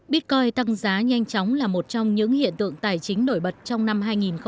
bitcoin tăng giá nhanh chóng là một trong những hiện tượng tài chính nổi bật trong năm hai nghìn một mươi chín